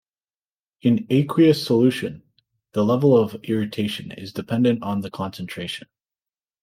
In aqueous solution, the level of irritation is dependent on the concentration.